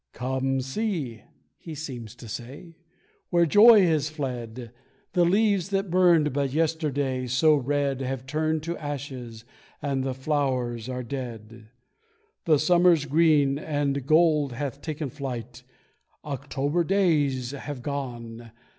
"Come see," he seems to say "where joy has fled The leaves that burned but yesterday so red Have turned to ashes and the flowers are dead. "The summer's green and gold hath taken flight, October days have gone.